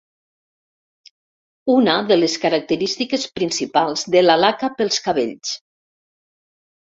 Una de les característiques principals de la laca pels cabells.